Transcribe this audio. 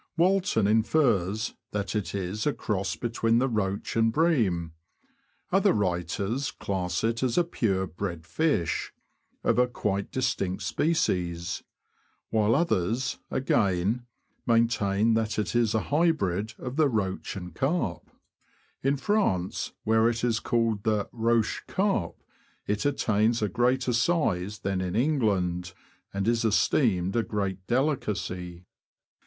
Walton infers that it is a cross between the roach and bream ; other writers class it as a pure bred fish, THE FISH OF THE BROADS. 289 of a quite distinct species ; while others, again, main tain that it is a hybrid of the roach and carp. In France, where it is called the roche carpe, it attains a greater size than in England, and is esteemed a great delicacy.